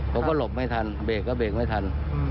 ผมก็หลบไม่ทันเบรกก็เบรกไม่ทัน